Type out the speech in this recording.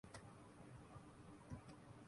نیلو کے ڈانسز دیکھیں۔